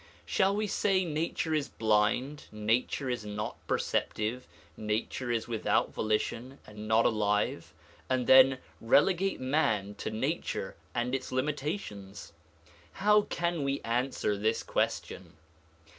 Shall we say nature is blind, nature is not perceptive, nature is without volition and not alive, and then relegate man to nature and its limitations? How can we answer this question?